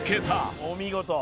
お見事！